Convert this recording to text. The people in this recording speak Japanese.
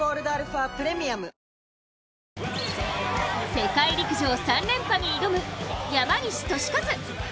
世界陸上３連覇に挑む山西利和。